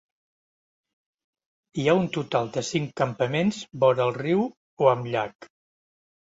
Hi ha un total de cinc campaments vora el riu o amb llac.